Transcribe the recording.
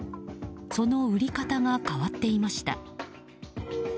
その売り方が変わっていました。